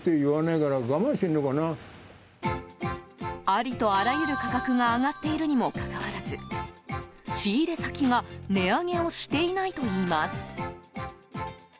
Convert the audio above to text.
ありとあらゆる価格が上がっているにもかかわらず仕入れ先が値上げをしていないといいます。